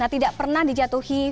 nah tidak pernah dijatuhi